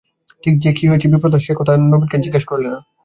ঠিক যে কী হয়েছে বিপ্রদাস সে কথা নবীনকে জিজ্ঞাসা করলে না।